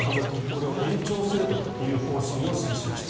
これを延長する方針を示しました。